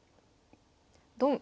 ドン。